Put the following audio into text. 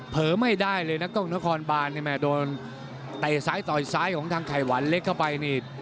เผลอไม่ได้เลยนะกล้องนครบานโดนแต่สายต่อยสายของทางไข่หวันเล็กเข้าไป